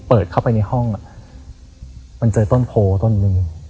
เปิดเข้าไปในห้องมันเจอต้นโพต้นหนึ่ง